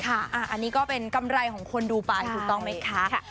อันนี้ก็เป็นกำไรของคนดูไปถูกต้องไหมคะ